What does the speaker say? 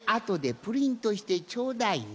それあとでプリントしてちょうだいね。